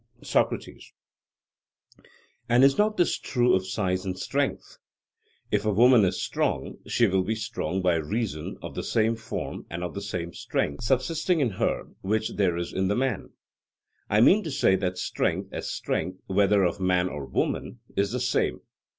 SOCRATES: And is not this true of size and strength? If a woman is strong, she will be strong by reason of the same form and of the same strength subsisting in her which there is in the man. I mean to say that strength, as strength, whether of man or woman, is the same.